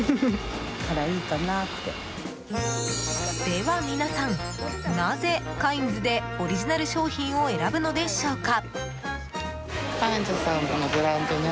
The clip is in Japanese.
では皆さん、なぜカインズでオリジナル商品を選ぶのでしょうか？